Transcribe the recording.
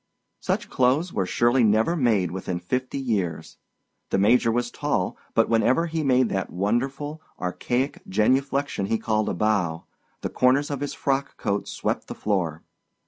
Such clothes were surely never made within fifty years. The Major was tall, but whenever he made that wonderful, archaic genuflexion he called a bow, the corners of his frock coat swept the floor.